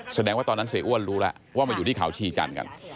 แสดงว่าตอนนั้นเสียอ้วนรู้แล้วว่ามาอยู่ที่เขาชีจันทร์กัน